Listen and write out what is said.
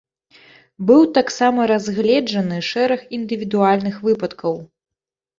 Быў таксама разгледжаны шэраг індывідуальных выпадкаў.